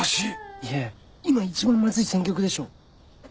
いや今一番マズい選曲でしょ。